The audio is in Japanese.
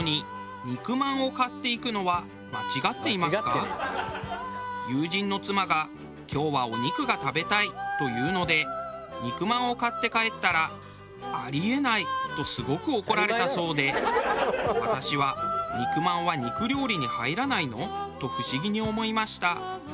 テープ友人の妻が「今日はお肉が食べたい！」と言うので肉まんを買って帰ったら「あり得ない！」とすごく怒られたそうで私は肉まんは肉料理に入らないの？と不思議に思いました。